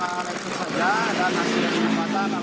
alhamdulillah bisa kembali sehat